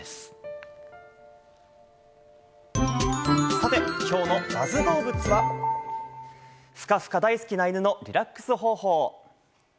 さて、きょうのＢＵＺＺどうぶつは、ふかふか大好きな犬のリラックス方法。